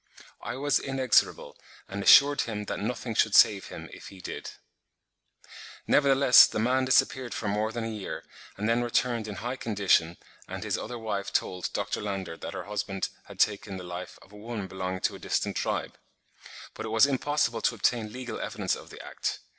I was inexorable, and assured him that nothing should save him if he did." Nevertheless the man disappeared for more than a year, and then returned in high condition; and his other wife told Dr. Landor that her husband had taken the life of a woman belonging to a distant tribe; but it was impossible to obtain legal evidence of the act.